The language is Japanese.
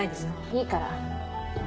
いいから。